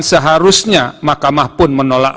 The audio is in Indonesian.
seharusnya makamah pun menolak